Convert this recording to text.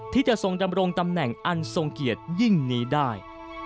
ที่จะทรงดำรงตำแหน่งอันทรงเกียรติยิ่งนี้ได้